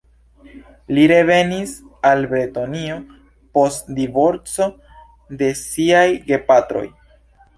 Li revenis al Bretonio post divorco de siaj gepatroj.